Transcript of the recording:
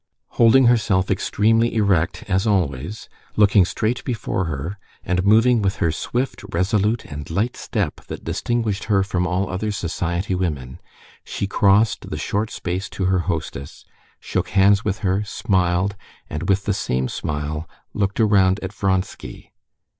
Holding herself extremely erect, as always, looking straight before her, and moving with her swift, resolute, and light step, that distinguished her from all other society women, she crossed the short space to her hostess, shook hands with her, smiled, and with the same smile looked around at Vronsky.